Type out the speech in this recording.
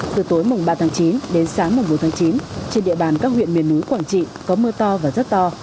từ tối mùng ba tháng chín đến sáng bốn tháng chín trên địa bàn các huyện miền núi quảng trị có mưa to và rất to